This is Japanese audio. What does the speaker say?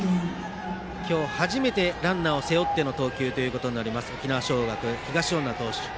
今日初めてランナーを背負っての投球沖縄尚学、東恩納投手。